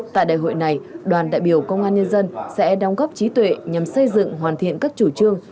tại đại hội này đoàn đại biểu công an nhân dân sẽ đóng góp trí tuệ nhằm xây dựng hoàn thiện các chủ trương